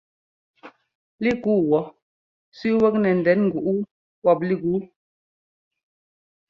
Lík yú wɔ̌ sẅíi wɛ́k nɛ ndɛn ŋgúꞌ wú pɔ́p lík yu.